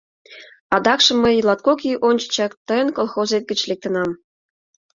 Адакше мый латкок ий ончычак тыйын колхозет гыч лектынам.